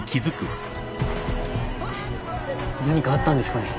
何かあったんですかね？